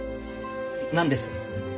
何です？